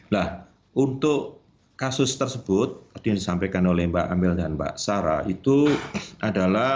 nah untuk kasus tersebut tadi yang disampaikan oleh mbak amel dan mbak sarah itu adalah